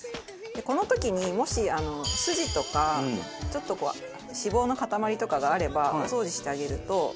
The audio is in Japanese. この時にもし筋とかちょっとこう脂肪の塊とかがあればお掃除してあげると。